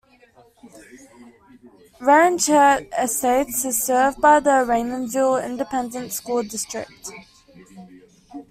Ranchette Estates is served by the Raymondville Independent School District.